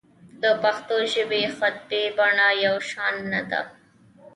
د پښتو ژبې خطي بڼه یو شان نه ده.